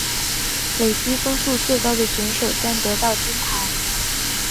累积分数最高的选手将得到金牌。